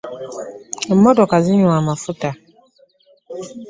Emmotoka zinywa amafuta.